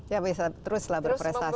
ya bisa terus lah berprestasi